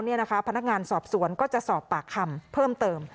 พนักงานสอบสวนก็จะสอบปากคำเพิ่มเติม